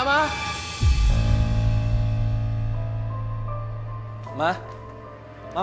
bentar aku panggilnya